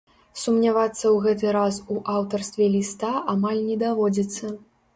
Сумнявацца ў гэты раз у аўтарстве ліста амаль не даводзіцца.